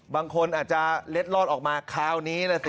บางคนอาจจะเล็ดลอดออกมาคราวนี้ล่ะสิ